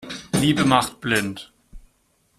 Liebe macht blind.